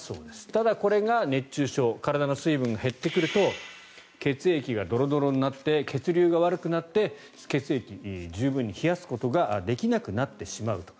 ただ、これが熱中症体の水分が減ってくると血液がドロドロになって血流が悪くなって血液、十分に冷やすことができなくなってしまうと。